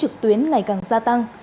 các toán trực tuyến ngày càng gia tăng